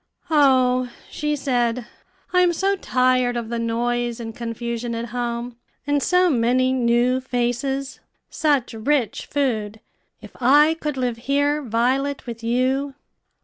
"O," she said, "I am so tired of the noise and confusion at home, and so many new faces, such rich food. If I could live here, Violet, with you!"